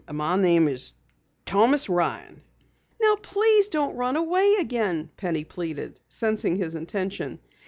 "My name is Thomas Ryan." "Now please don't run away again," Penny pleaded, sensing his intention.